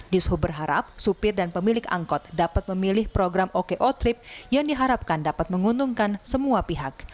dishub berharap supir dan pemilik angkut dapat memilih program oko trip yang diharapkan dapat menguntungkan semua pihak